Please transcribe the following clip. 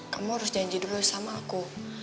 kamu harus janji dulu sama aku